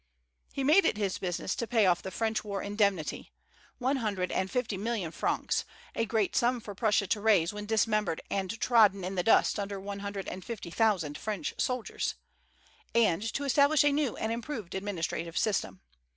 He made it his business to pay off the French war indemnity, one hundred and fifty million francs, a great sum for Prussia to raise when dismembered and trodden in the dust under one hundred and fifty thousand French soldiers, and to establish a new and improved administrative system.